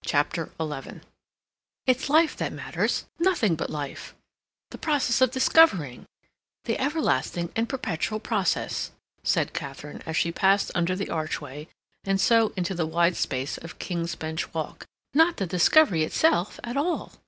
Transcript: CHAPTER XI "It's life that matters, nothing but life—the process of discovering, the everlasting and perpetual process," said Katharine, as she passed under the archway, and so into the wide space of King's Bench Walk, "not the discovery itself at all."